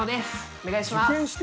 お願いします。